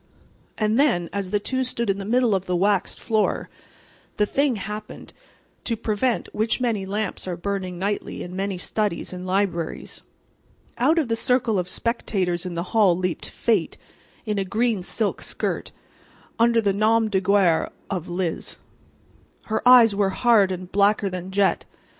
And then, as the two stood in the middle of the waxed floor, the thing happened to prevent which many lamps are burning nightly in many studies and libraries. Out from the circle of spectators in the hall leaped Fate in a green silk skirt, under the nom de guerre of "Liz." Her eyes were hard and blacker than jet.